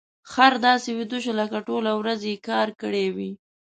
خر داسې ویده شو لکه ټولې ورځې يې کار کړی وي.